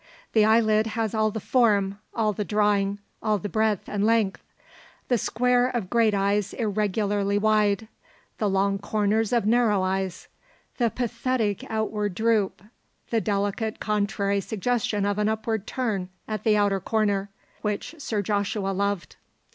The eyelid has all the form, all the drawing, all the breadth and length; the square of great eyes irregularly wide; the long corners of narrow eyes; the pathetic outward droop; the delicate contrary suggestion of an upward turn at the outer corner, which Sir Joshua loved.